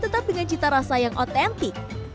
dan membuatnya terasa yang otentik